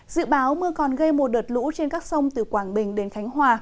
dự báo mưa còn gây một đợt lũ trên các sông từ quảng bình đến khánh hòa